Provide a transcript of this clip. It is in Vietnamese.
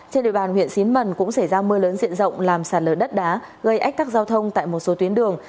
trên địa bàn huyện xín mần cũng xảy ra mưa lớn diện rộng làm sạt lở đất đá gây ách tắc giao thông tại một số tuyến đường